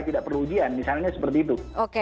tidak perlu ujian misalnya seperti itu